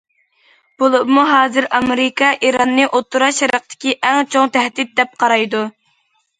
بولۇپمۇ ھازىر ئامېرىكا ئىراننى ئوتتۇرا شەرقتىكى ئەڭ چوڭ تەھدىت دەپ قارايدۇ.